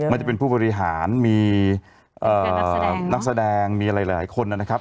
จะเป็นผู้บริหารมีนักแสดงมีอะไรหลายคนนะครับ